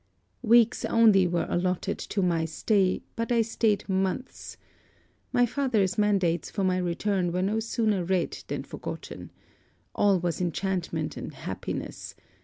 'Weeks only were allotted to my stay, but I staid months. My father's mandates for my return were no sooner read than forgotten. All was enchantment and happiness.